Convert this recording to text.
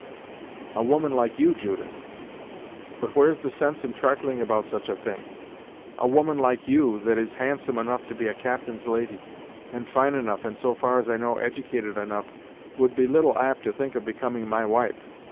"A woman like you, Judith! But where's the sense in trifling about such a thing? A woman like you, that is handsome enough to be a captain's lady, and fine enough, and so far as I know edicated enough, would be little apt to think of becoming my wife.